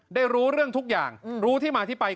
รู้เรื่องทุกอย่างรู้ที่มาที่ไป